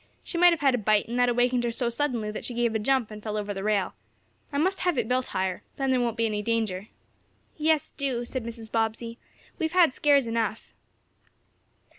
She might have had a bite, and that awakened her so suddenly that she gave a jump and fell over the rail. I must have it built higher. Then there won't be any danger." "Yes, do," said Mrs. Bobbsey. "We've had scares enough."